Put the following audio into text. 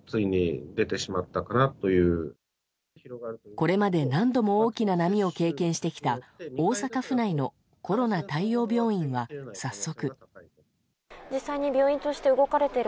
これまで何度も大きな波を経験してきた大阪府内のコロナ対応病院は早速。